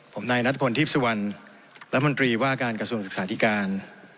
ผมนายนัทพลทีพสุวรรณรัฐมนตรีว่าการกระทรวงศึกษาธิการ